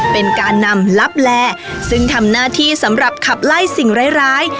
เป็นการนำลับแลซึ่งทำหน้าที่สำหรับขับไล่สิ่งร้าย